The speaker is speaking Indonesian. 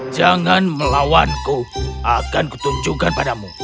jangan melawanku akan kutunjukkan padamu